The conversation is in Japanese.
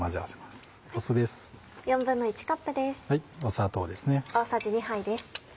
砂糖ですね。